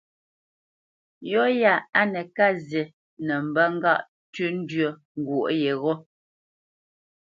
Yɔ̂ ya á nə́ ká zí nə mbə́ ŋgâʼ ntʉ́ ndwə̌ ngwo yegho.